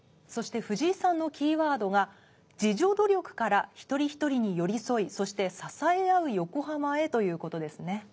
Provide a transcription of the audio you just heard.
そしてふじいさんのキーワードが「自助努力から一人ひとりに寄り添いそして支え合う横浜へ」という事ですね。